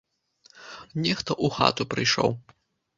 Нехта ў хату прыйшоў.